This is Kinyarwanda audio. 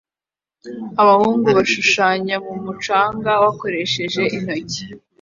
Abahungu bashushanya mumucanga bakoresheje inkoni